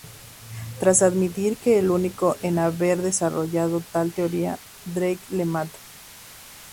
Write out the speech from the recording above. Tras admitir que es el único en haber desarrollado tal teoría, Drake le mata.